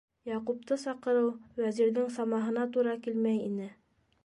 Яҡупты саҡырыу Вәзирҙең самаһына тура килмәй ине.